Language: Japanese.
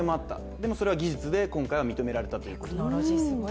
でもそれは技術で今回は認められたということになった。